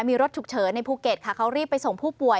มีรถฉุกเฉินในภูเก็ตค่ะเขารีบไปส่งผู้ป่วย